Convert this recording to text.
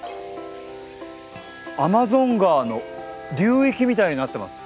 アマゾン川の流域みたいになってます。